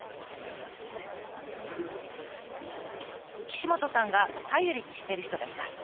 岸本さんが頼りにしてる人がいます。